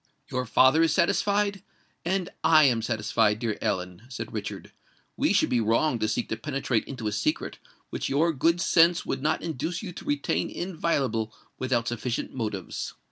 "Your father is satisfied—and I am satisfied, dear Ellen," said Richard: "we should be wrong to seek to penetrate into a secret which your good sense would not induce you to retain inviolable without sufficient motives.